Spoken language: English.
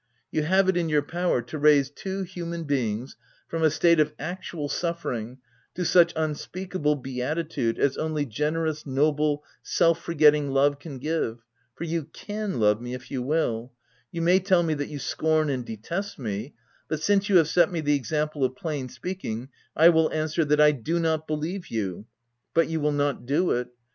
You have it in your power to raise two human beings from a state of actual suffering to such unspeakable beatitude as only generous, noble self forgetting love can give, (for you can love me if you will ; you may tell me that you scorn and detest me, but — since you have set me the example of plain speaking — I will answer that 1 do not believe you ! but you will not do it